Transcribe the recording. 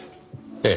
ええ。